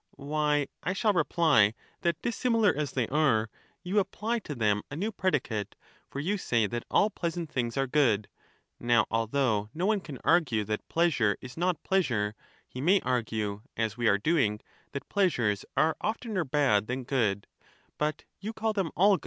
Why, I shall reply, that dissimilar as they are, you pleasures apply to them a new predicate, for you say that all pleasant *" things are good ; now although no one can argue that and not pleasure is not pleasure, he may argue, as we are doing, that ^^^^ a^^ pleasures are oftener bad than good ; but you call them all ^re^^.